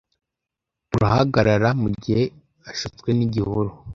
Turahagarara mugihe ashutswe nigihuru